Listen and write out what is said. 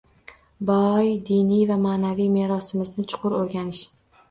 Boy diniy va ma’naviy merosimizni chuqur o‘rganish